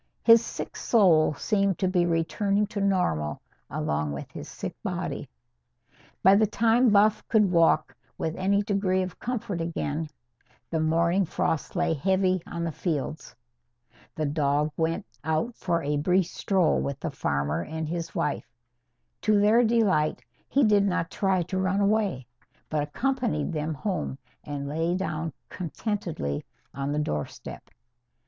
His sick soul seemed to be returning to normal along with his sick body. By the time Buff could walk with any degree of comfort again, the morning frost lay heavy on the fields. The dog went out for a brief stroll with the farmer and his wife. To their delight, he did not try to run away, but accompanied them home and lay down contentedly on the doorstep.